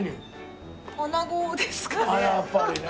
やっぱりね。